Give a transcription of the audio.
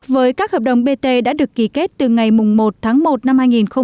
với các hợp đồng bt đã được ký kết từ ngày một tháng một năm hai nghìn hai mươi